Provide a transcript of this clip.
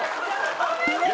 おめでとう！